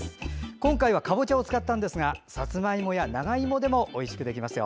今回、かぼちゃを使いましたがさつまいもや長芋でもおいしくできますよ。